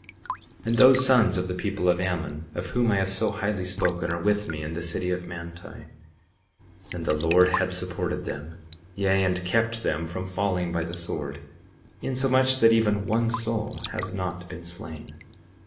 58:39 And those sons of the people of Ammon, of whom I have so highly spoken, are with me in the city of Manti; and the Lord had supported them, yea, and kept them from falling by the sword, insomuch that even one soul has not been slain.